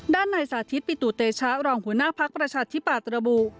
ด้านในสาธิตปิตุเตชะรองหัวหน้าภักดิ์ประชาธิปัตย์ระบุ